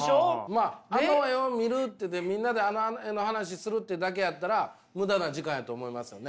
まああの絵を見るってみんなであの絵の話をするってだけやったら無駄な時間やと思いますよね。